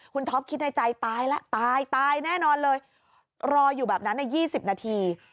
คุณท็อปคิดในใจตายแล้วตายตายแน่นอนเลยรออยู่แบบนั้น๒๐นาที